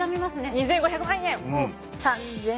２，５００万円。